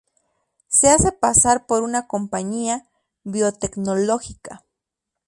Se hace pasar por una compañía biotecnológica.